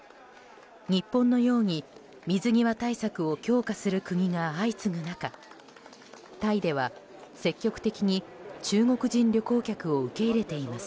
日本のように水際対策を強化する国が相次ぐ中タイでは積極的に中国人旅行客を受け入れています。